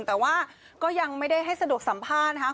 แต่ว่าก็ยังไม่ได้ให้สะดวกสัมภาษณ์นะครับ